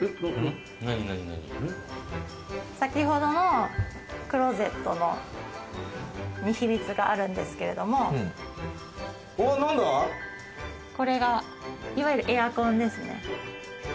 先ほどのクローゼットに秘密があるんですけれども、いわゆるエアコンですね。